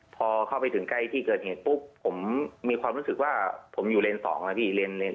พอเข้าไปถึงใกล้ที่เกิดเหตุปุ๊บผมมีความรู้สึกว่าผมอยู่เลนส์๒นะพี่เลน